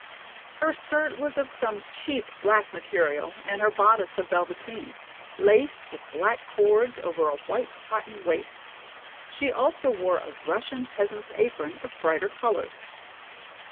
Her skirt was of some cheap black material and her bodice of velveteen, laced with black cords over a white cotton waist. She also wore a Russian peasant's apron of brighter colors.